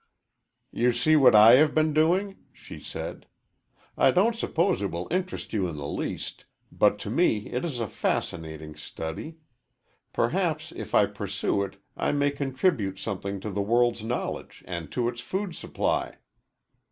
"You see what I have been doing," she said. "I don't suppose it will interest you in the least, but to me it is a fascinating study. Perhaps if I pursue it I may contribute something to the world's knowledge and to its food supply."